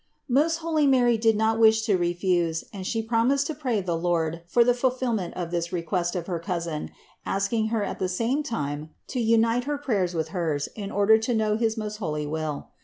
265. Most holy Mary did not wish to refuse and She promised to pray the Lord for the fulfillment of this request of her cousin, asking her at the same time to unite her prayers with hers in order to knov Ms most holy will.